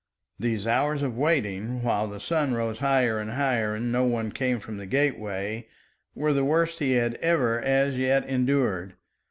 These hours of waiting, while the sun rose higher and higher and no one came from the gateway, were the worst he had ever as yet endured.